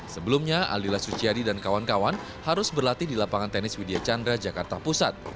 sebelumnya aldila suciadi dan kawan kawan harus berlatih di lapangan tenis widya chandra jakarta pusat